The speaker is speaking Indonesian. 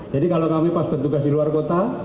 jadi kalau kami pas bertugas di luar kota